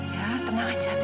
ya tenang saja tenang ya